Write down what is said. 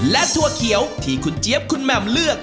และถั่วเขียวที่คุณเจี๊ยบคุณแหม่มเลือก